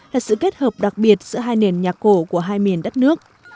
là sự kết hợp đặc biệt giữa hai nền nhạc cổ của hai miền đất nước